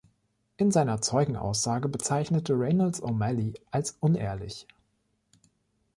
In seiner Zeugenaussage bezeichnete Reynolds O’Malley als „unehrlich“.